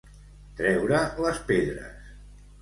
Treure les pedres.